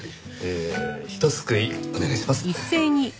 ひとすくいお願いします。